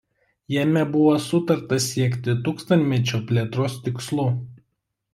Jame buvo sutarta siekti Tūkstantmečio Plėtros Tikslų.